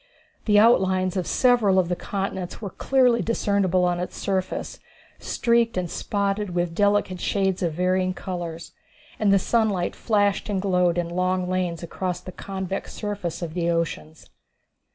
The outlines of several of the continents were clearly discernible on its surface, streaked and spotted with delicate shades of varying color, and the sunlight flashed and glowed in long lanes across the convex surface of the oceans.